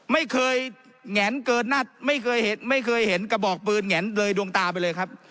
ไม่เคยแหงนเกิดนัดไม่เคยเห็นกระบอกปืนแหงนเลยดวงตาไปเลยครับ